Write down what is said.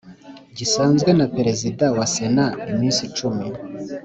gisanzwe na Perezida wa Sena iminsi cumi